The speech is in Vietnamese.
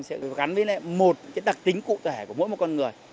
sẽ gắn với một cái đặc tính cụ thể của mỗi một con người